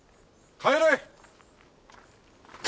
帰れ！！